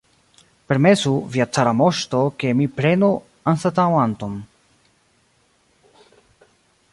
Permesu, via cara moŝto, ke mi prenu anstataŭanton!